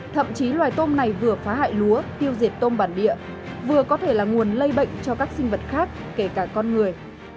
thậm chí loài tôm này vừa phá hại lúa tiêu diệt tôm bản địa vừa có thể là nguồn lây bệnh cho các sinh vật khác kể cả con người